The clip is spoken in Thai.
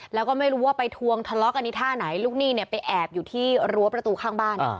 แล้วก็ไม่รู้ว่าไปทวงทะเลาะกันที่ท่าไหนลูกหนี้เนี่ยไปแอบอยู่ที่รั้วประตูข้างบ้าน